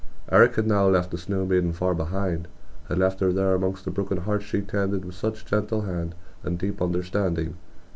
Eric had now left the snow maiden far behind, had left her there amongst the broken hearts she tended with such gentle hand and deep understanding.